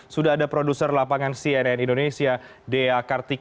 sudah ada produser lapangan cnn indonesia dea kartika